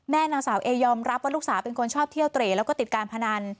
นางสาวเอยอมรับว่าลูกสาวเป็นคนชอบเที่ยวเตร่แล้วก็ติดการพนัน